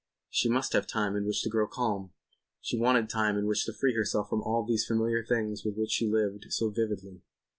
She must have time in which to grow calm. She wanted time in which to free herself from all these familiar things with which she lived so vividly.